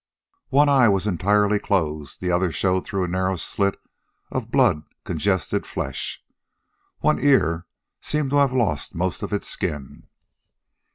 One eye was entirely closed, the other showed through a narrow slit of blood congested flesh. One ear seemed to have lost most of its skin.